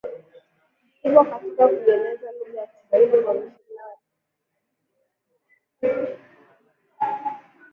mkubwa katika kuieneza lugha ya Kiswahili Wamisionari